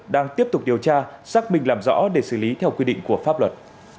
đang tiếp tục điều tra xác minh làm rõ để xử lý theo quy định của pháp luật